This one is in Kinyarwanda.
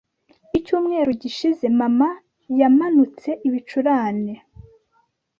Icyumweru gishize mama yamanutse ibicurane.